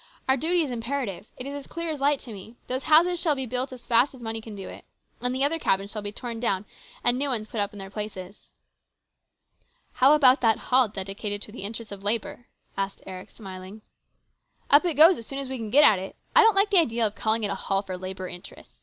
Our duty is imperative. It is as clear as light to me. Those houses shall be built as fast as money can do it. And the other cabins shall be torn down and new ones put up in their places." " How about that hall dedicated to the interests of labour ?" asked Eric, smiling. " Up it goes, as soon as we can get at it. I don't like the idea of calling it a hall for labour interests.